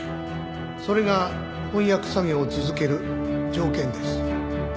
それが翻訳作業を続ける条件です。